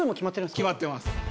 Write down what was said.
決まってます。